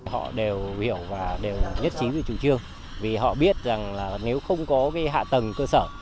họ đều hiểu và đều nhất trí về chủ trương vì họ biết rằng là nếu không có hạ tầng cơ sở